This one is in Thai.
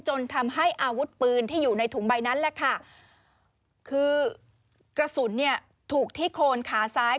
จนทำให้อาวุธปืนที่อยู่ในถุงใบนั้นคือกระสุนถูกที่โคนขาซ้าย